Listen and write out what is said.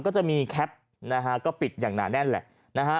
ก็จะมีแคปนะฮะก็ปิดอย่างหนาแน่นแหละนะฮะ